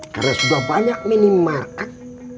karena sudah banyak minim market